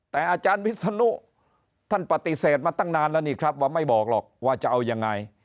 แต่อาจารย์วิศนุท่านปฏิเสธมาตั้งนานแล้วนี่ครับว่าไม่บอกหรอกว่าจะเอายังไง